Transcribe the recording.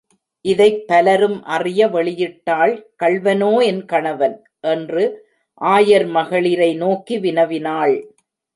இதைப் பலரும் அறிய வெளியிட்டாள் கள்வனோ என் கணவன்? என்று ஆயர் மகளிரை நோக்கி வினவினாள்.